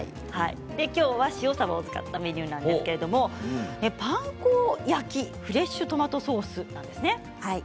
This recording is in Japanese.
きょうは塩さばを使ったお料理なんですがパン粉焼きフレッシュトマトソースなんですね。